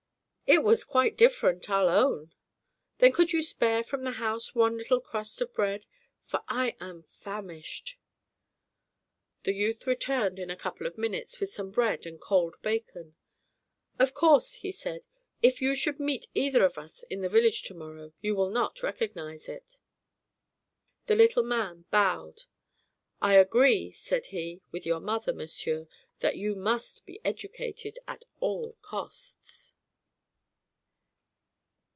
"It was quite different, I'll own." "Then could you spare from the house one little crust of bread? For I am famished." The youth returned, in a couple of minutes, with some bread and cold bacon. "Of course," he said, "if you should meet either of us in the village to morrow you will not recognize us." The little man bowed. "I agree," said he, "with your mother, monsieur, that you must be educated at all costs."